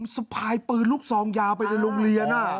สไพร์ปืนลูกสองยาไปในโรงเรียนอ่ะ